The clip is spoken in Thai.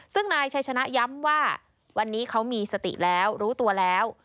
ซึ่งนายชัยชนะย้ำว่าวันนี้เขามีสติแล้วรู้ตัวแล้ว